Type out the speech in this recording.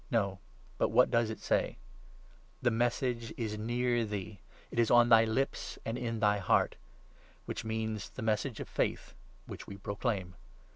No, but what does it say ?' The 8 Message is near thee ; it is on thy lips and in thy heart '— which means ' The Message of Faith ' which we proclaim.